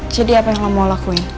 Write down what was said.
jadi apa yang lo mau lakuin